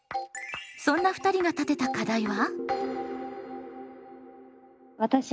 そんな２人が立てた課題は？